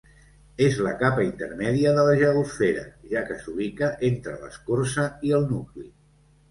És la capa intermèdia de la geosfera, ja que s'ubica entre l'escorça i el nucli.